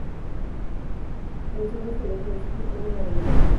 En el segundo semestre del ciclo, tuvo una regular campaña.